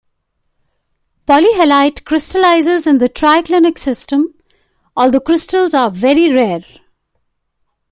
Polyhalite crystallizes in the triclinic system, although crystals are very rare.